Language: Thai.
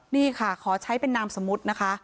นี่ค่ะขอใช้เป็นนามสมมุตินะคะ